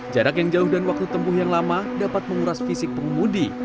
jarak yang jauh dan waktu tempuh yang lama dapat menguras fisik pengemudi